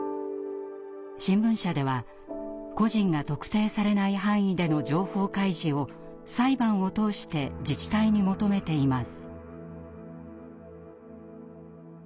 新聞社では個人が特定されない範囲での情報開示を裁判を通して自治体に求めています。